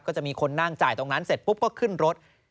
ก็จะมีคนนั่งจ่ายตรงนั้นเสร็จปุ๊บก็ขึ้นรถ